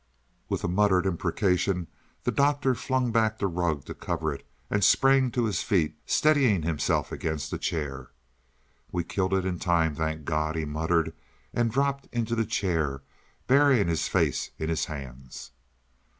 With a muttered imprecation the Doctor flung back the rug to cover it, and sprang to his feet, steadying himself against a chair. "We killed it in time, thank God," he murmured and dropped into the chair, burying his face in his hands.